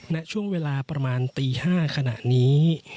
ณช่วงเวลาประมาณตี๕ขณะนี้